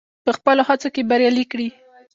په خپلو هڅو کې بريالی کړي.